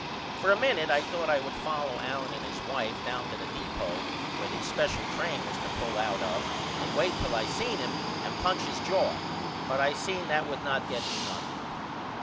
For a minute I thought I would follow Allen and his wife down to the deepo where the special train was to pull out of and wait till I see him and punch his jaw but I seen that would not get me nothing.